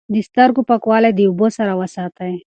د سترګو پاکوالی د اوبو سره وساتئ.